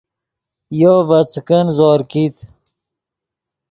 یو ڤے څیکن زور کیت